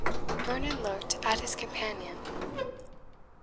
Vernon looked at his companion.